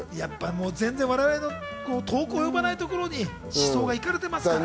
我々の遠く及ばないところに思想がいかれてますから。